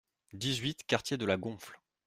dix-huit quartier de la Gonfle